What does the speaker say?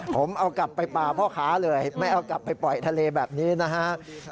ผมเอากลับไปป่าพ่อค้าเลยไม่เอากลับไปปล่อยทะเลแบบนี้นะฮะ